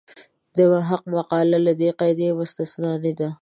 د محق مقاله له دې قاعدې مستثنا نه ده.